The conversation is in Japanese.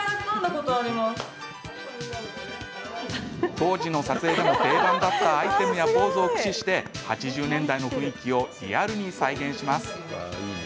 当時の撮影でも定番だったアイテムやポーズを駆使して８０年代の雰囲気をリアルに再現します。